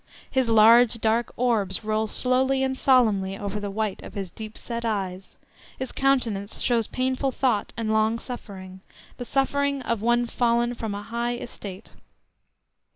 His large dark orbs roll slowly and solemnly over the white of his deep set eyes; his countenance shows painful thought and long suffering, the suffering of one fallen from a high estate.